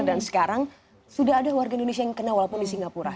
dan sekarang sudah ada warga indonesia yang kena walaupun di singapura